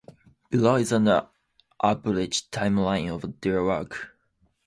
Below is an abridge timeline of their work.